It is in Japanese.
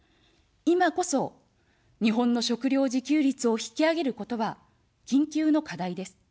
いまこそ、日本の食料自給率を引き上げることは、緊急の課題です。